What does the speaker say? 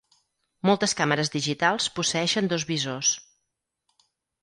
Moltes càmeres digitals posseeixen dos visors.